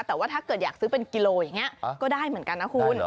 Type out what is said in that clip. แต่ว่าถ้าเกิดอยากซื้อเป็นกิโลอย่างนี้ก็ได้เหมือนกันนะคุณ